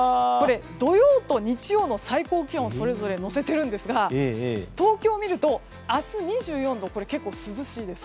土曜と日曜の最高気温をそれぞれ載せているんですが東京を見ると明日２４度、結構涼しいです。